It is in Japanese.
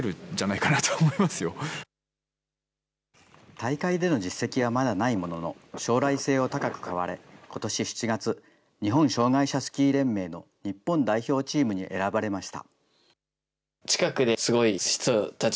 大会での実績はまだないものの、将来性を高く買われ、ことし７月、日本障害者スキー連盟の日本代表チームに選ばれました。